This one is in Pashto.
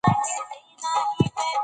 سپوږمکۍ اوبه او سمندري بوټي څاري.